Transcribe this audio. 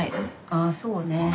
ああそうか。